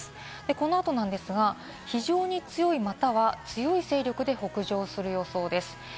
この後なんですが、非常に強い、または強い勢力で北上する予想です。